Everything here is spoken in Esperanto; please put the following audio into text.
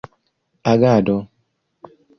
agado